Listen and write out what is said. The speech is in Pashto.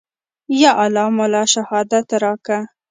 يا الله ما له شهادت راکه.